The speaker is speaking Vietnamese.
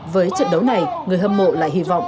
với trận đấu này người hâm mộ lại hy vọng